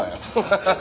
ハハハハ。